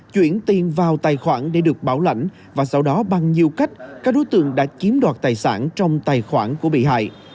chuyển tiền vào tài khoản để được bảo lãnh và sau đó bằng nhiều cách các đối tượng đã chiếm đoạt tài sản trong tài khoản của bị hại